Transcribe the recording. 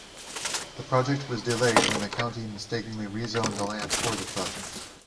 The project was delayed when the county mistakenly rezoned the land for the project.